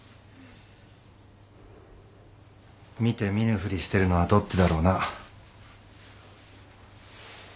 見て見ぬふりしてるのはどっちだろうな。